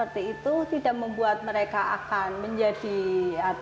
tidak ada yang menurut